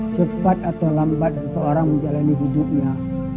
cepat atau lambat seseorang menjalani hidupnya